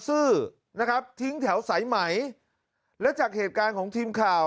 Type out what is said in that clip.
ซื้อนะครับทิ้งแถวสายไหมแล้วจากเหตุการณ์ของทีมข่าว